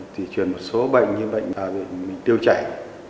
thì chuyển một số bệnh như vậy